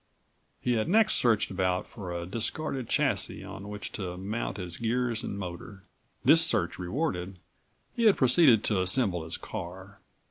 He had next searched about for a discarded chassis on which to mount his gears and motor. This search rewarded, he had proceeded to assemble his car.